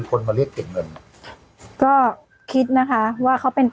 กล้วยทอด๒๐๓๐บาท